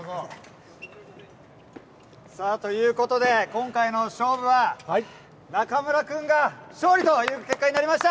さあ、ということで、今回の勝負は、中村君が勝利という結果になりました。